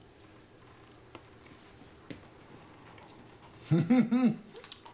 フフフ。